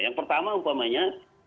yang pertama umpamanya